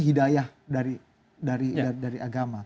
hidayah dari agama